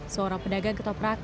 seorang pedagang ketoprak